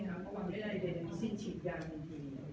เพราะว่าไม่ได้อะไรเลยเดี๋ยวเขาสิ้นฉีดยาบางที